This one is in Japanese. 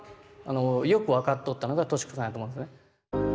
よく分かっとったのが敏子さんやと思うんですね。